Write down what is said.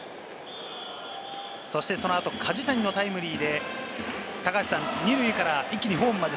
そしてその後、梶谷のタイムリーで２塁から一気にホームまで。